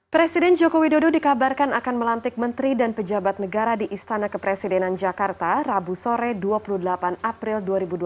presiden joko widodo dikabarkan akan melantik menteri dan pejabat negara di istana kepresidenan jakarta rabu sore dua puluh delapan april dua ribu dua puluh